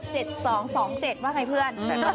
อ๋อเจ็ดสองสองเจ็ดเหรอไหมเพื่อนค่ะ